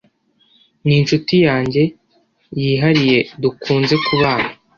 ni inshuti yanjye yihariyedukunze kubana